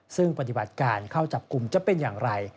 ซึ่งปฏิบัติการเข้าจับกลุ่มจะเป็นอย่างไร